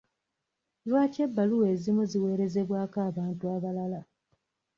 Lwaki ebbaluwa ezimu ziweerezebwako abantu abalala?